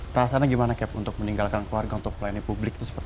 rasanya gimana kev untuk meninggalkan keluarga untuk pelayanan publik